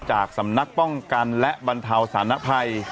จากสำนักป้องกันและบรรเทาสารภัย